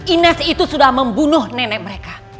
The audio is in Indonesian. ines itu sudah membunuh nenek mereka